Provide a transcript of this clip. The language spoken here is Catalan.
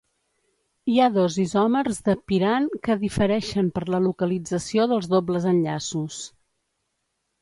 Hi ha dos isòmers de piran que difereixen per la localització dels dobles enllaços.